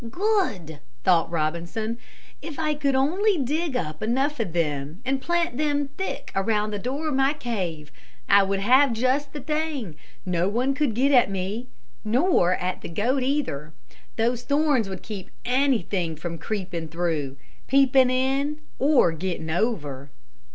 "Good!" thought Robinson. "If I could only dig up enough of them and plant them thick around the door of my cave, I would have just the thing. No one could get at me, nor at the goat, either. The thorns would keep anything from creeping through, peeping in or getting over."